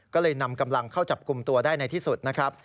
ก็เลยนำกำลังเข้าจับกลุ่มตัวได้ในที่สุดนะครับ